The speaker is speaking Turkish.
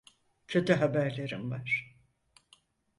Kötü haberlerim var.